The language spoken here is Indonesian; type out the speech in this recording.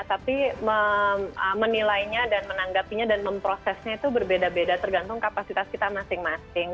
jadi kita harus menilainya dan menanggapinya dan memprosesnya itu berbeda beda tergantung kapasitas kita masing masing